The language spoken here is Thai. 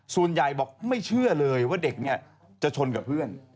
ส่วนใหญ่บอกไม่เชื่อเลยว่าเด็กเนี่ยจะชนกับเพื่อน